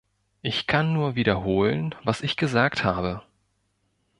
Ich kann nur wiederholen, was ich gesagt habe.